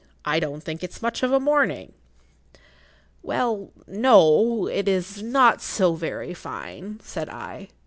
I don't think it's much of a morning." "Well, no—it is not so very fine," said I.